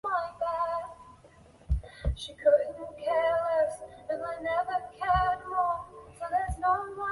巴基斯坦超级足球联赛是巴基斯坦足球联赛系统的最高级别。